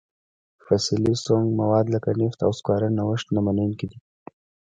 فسیلي سونګ مواد لکه نفت او سکاره نوښت نه منونکي دي.